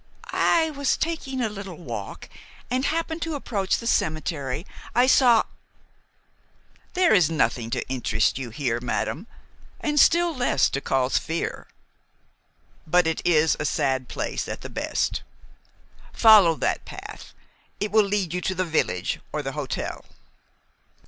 "I was taking a little walk, and happened to approach the cemetery. I saw " "There is nothing to interest you here, madam, and still less to cause fear. But it is a sad place, at the best. Follow that path. It will lead you to the village or the hotel."